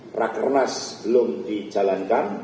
prakernas belum dijalankan